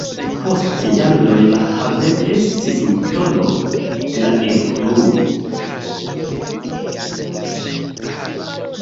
Post jaroj la haveno estis motoro de la evoluo.